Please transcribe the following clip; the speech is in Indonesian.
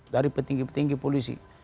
dari petinggi petinggi polisi